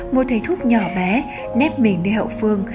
một thầy thuốc nhỏ bé nếp mình đi hậu phương